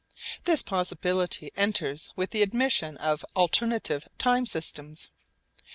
This possibility enters with the admission of alternative time systems.